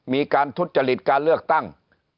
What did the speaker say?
มีการทุจริตการเลือกตั้ง